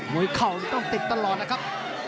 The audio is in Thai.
มุยเข่าต้องติดตลอดนะครับ